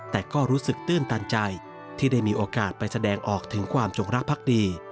แต่ก็รู้สึกตื้นตันใจที่ได้มีโอกาสไปแสดงออกถึงความจงรักภักดี